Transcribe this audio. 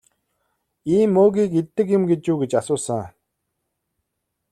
Ийм мөөгийг иддэг юм гэж үү гэж асуусан.